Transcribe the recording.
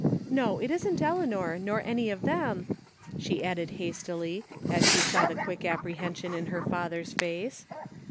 No, it isn't Eleanor, nor any of them " she added hastily, as she saw the quick apprehension in hpr father's face.